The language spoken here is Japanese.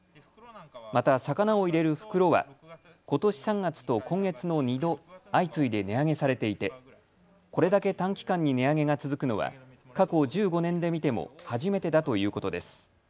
また魚を入れる袋はことし３月と今月の２度相次いで値上げされていて、これだけ短期間に値上げが続くのは過去１５年で見ても初めてだということです。